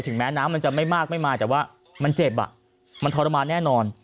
แม้น้ำมันจะไม่มากไม่มาแต่ว่ามันเจ็บอ่ะมันทรมานแน่นอน